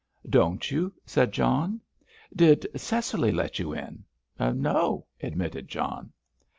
"Don't you?" said John. "Did Cecily let you in?" "No," admitted John.